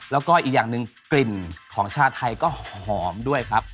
แล้วก็อีกอย่างหนึ่งกลิ่นของชาติไทยก็หอมด้วยครับ